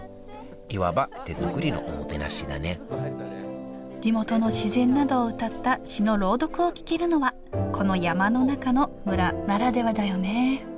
いわば手作りのおもてなしだね地元の自然などをうたった詩の朗読を聞けるのはこの山の中の村ならではだよね。